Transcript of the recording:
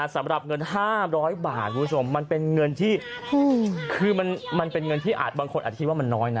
สำหรับเงิน๕๐๐บาทมันเป็นเงินที่คือแบบบางคนอาจจะคิดว่าน้อยนะ